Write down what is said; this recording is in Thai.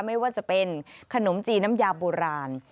ไม่ว่าจะเป็นขนมจีนน้ำยาโบราณ